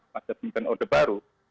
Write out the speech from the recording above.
masa pemerintahan order baru